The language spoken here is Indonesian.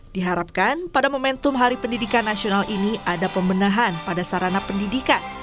diharapkan pada momentum hari pendidikan nasional ini ada pembenahan pada sarana pendidikan